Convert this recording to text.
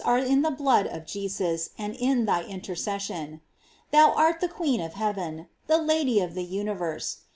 113 are in the blood of Jesus, and in thy intercession. Thou art the Queen of heaven ! the Lady of the universe